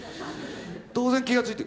当然気が付いてる。